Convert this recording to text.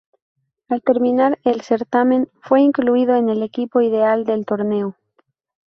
Al terminar el certamen fue incluido en el equipo ideal del torneo.